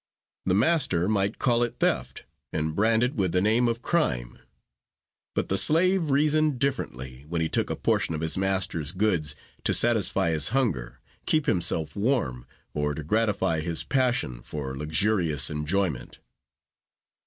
The master might call it theft, and brand it with the name of crime; but the slave reasoned differently, when he took a portion of his master's goods, to satisfy his hunger, keep himself warm, or to gratify his passion for luxurious enjoyment.